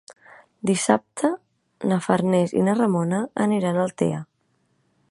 Dissabte na Farners i na Ramona aniran a Altea.